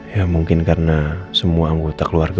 ya mungkin karena semua anggota rumah itu